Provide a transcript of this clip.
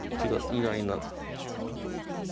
意外な。